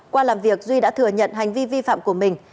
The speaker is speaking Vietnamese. qua làm việc duy đã thừa nhận hành vi vi phạm của mình